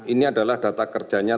ini adalah data kerjanya